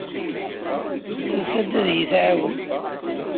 Tusa-d ad iyi-tɛawen.